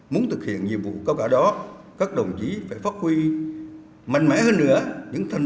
muốn thực hiện nhiệm vụ cao cả đó các đồng chí phải phát huy mạnh mẽ hơn nữa những thành